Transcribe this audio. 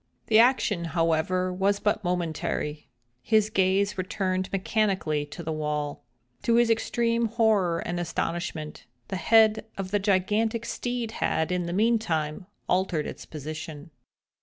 The action, however, was but momentary, his gaze returned mechanically to the wall. To his extreme horror and astonishment, the head of the gigantic steed had, in the meantime, altered its position.